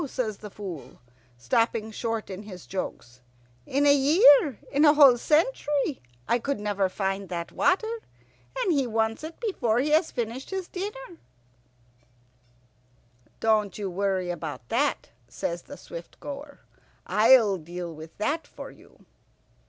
says the Fool, stopping short in his jokes. "In a year, in a whole century, I never could find that water. And he wants it before he has finished his dinner." "Don't you worry about that," says the Swift goer, "I'll deal with that for you."